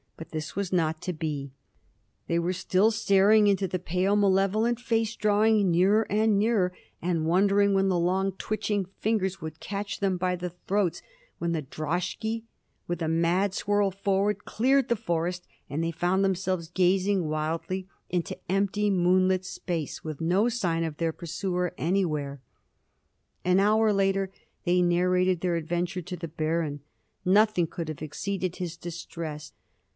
But this was not to be. They were still staring into the pale malevolent face drawing nearer and nearer, and wondering when the long twitching fingers would catch them by the throats, when the droshky with a mad swirl forward cleared the forest, and they found themselves gazing wildly into empty moonlit space, with no sign of their pursuer anywhere. An hour later they narrated their adventure to the Baron. Nothing could have exceeded his distress.